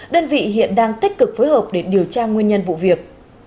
đơn vị hiện đang tích cực phối hợp để điều tra nguyên nhân vụ việc